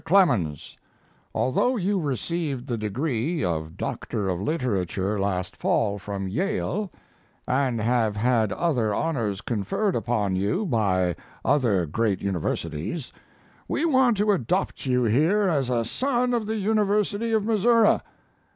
CLEMENS, Although you received the degree of doctor of literature last fall from Yale, and have had other honors conferred upon you by other great universities, we want to adopt you here as a son of the University of Missouri.